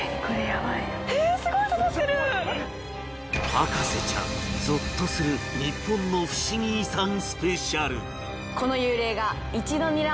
『博士ちゃん』ゾッとする日本のふしぎ遺産スペシャル